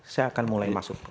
saya akan mulai masuk